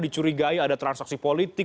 dicurigai ada transaksi politik